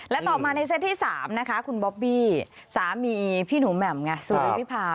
และต่อมาในเซตที่๓นะคะคุณบอบบี้สามีพี่หนูแหม่มไงสุริวิพา